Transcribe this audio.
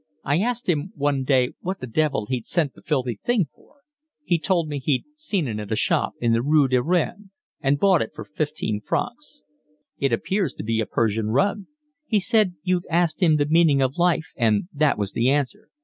I asked him one day what the devil he'd sent the filthy thing for. He told me he'd seen it in a shop in the Rue de Rennes and bought it for fifteen francs. It appears to be a Persian rug. He said you'd asked him the meaning of life and that was the answer.